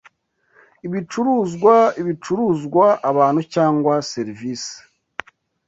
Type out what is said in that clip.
ibicuruzwa ibicuruzwa abantu cyangwa serivisi